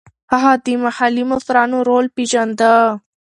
هغه د محلي مشرانو رول پېژانده.